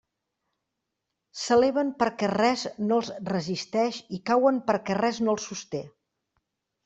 S'eleven perquè res no els resisteix i cauen perquè res no els sosté.